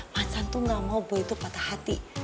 macan tuh gak mau boy itu patah hati